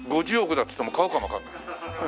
だって言っても買うかもわかんない。